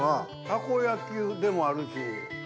たこ焼きでもあるし。